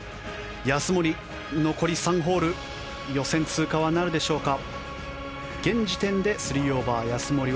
安森、残り３ホール予選通過はなるでしょうか。